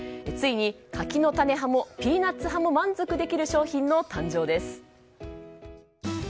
ついに、柿の種派もピーナツ派も満足できる商品の誕生です。